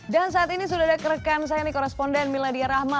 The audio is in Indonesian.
dan saat ini sudah ada kerekan saya nih koresponden miladya rahma